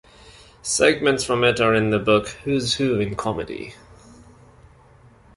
Segments from it are in the book "Who's Who in Comedy".